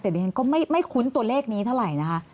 แต่ดิฉันก็ไม่คุ้นตัวเลขนี้เท่าไหร่นะคะ